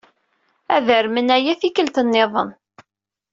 Ad armen aya tikkelt niḍen.